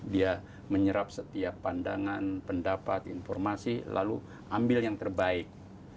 dia menyerap setiap pandangan pendapat informasi lalu ambil yang terbaik